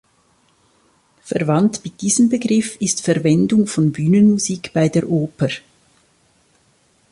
Verwandt mit diesem Begriff ist Verwendung von Bühnenmusik bei der Oper.